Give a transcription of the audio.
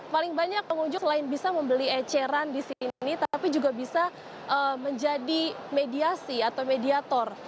paling banyak pengunjung lain bisa membeli eceran di sini tapi juga bisa menjadi mediasi atau mediator